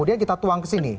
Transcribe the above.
kemudian kita tuang ke sini